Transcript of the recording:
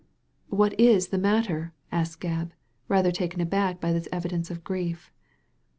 " What is the matter ?" asked Gebb, rather taken aback by this evidence of grief.